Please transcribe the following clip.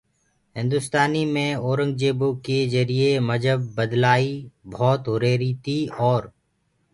هندُستانيٚ مي اورنٚگجيبو ڪي جَريٚئيٚ مجهب بلآئي ڀوت هُريهريِٚ تيٚ اور